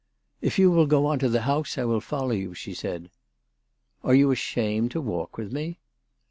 " If you will go on to the house I will follow you," she said. "Are you ashamed to walk with me